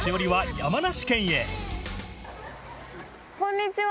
こんにちは。